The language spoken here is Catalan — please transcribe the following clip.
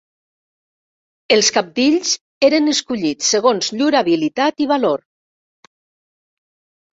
Els cabdills eren escollits segons llur habilitat i valor.